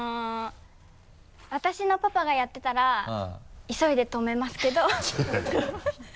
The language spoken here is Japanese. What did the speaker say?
私のパパがやってたら急いで止めますけど